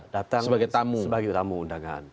datang sebagai tamu undangan